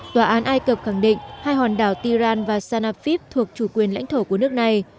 tòa án ai cập khẳng định hai hòn đảo tiran và sanafif thuộc chủ quyền lãnh thổ của nước này